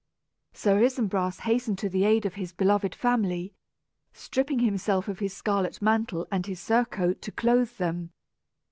Sir Isumbras hastened to the aid of his beloved family, stripping himself of his scarlet mantle and his surcoat to clothe them.